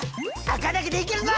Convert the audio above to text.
赤だけでいけるぞ！